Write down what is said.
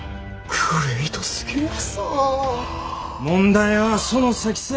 問題はその先さ。